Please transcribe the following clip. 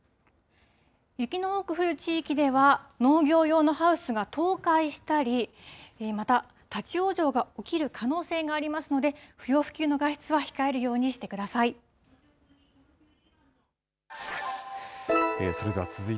雪の多く降る地域では、農業用のハウスが倒壊したり、また、立往生が起きる可能性がありますので、不要不急の外出は控えるようにしてください。